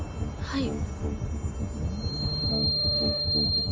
はい。